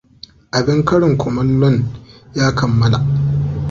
Abin karin kumallon ya kammala.